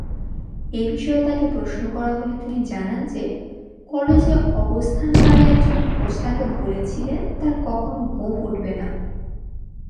এ বিষয়ে তাকে প্রশ্ন করা হলে তিনি জানান যে, কলেজে অবস্থানকালে একজন কোচ তাকে বলেছিলেন তার কখনো গোঁফ উঠবে না।